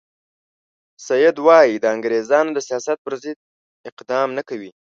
سید وایي د انګریزانو د سیاست پر ضد اقدام نه کوي.